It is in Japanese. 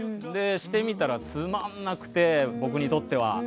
してみたら、つまんなくて僕にとっては。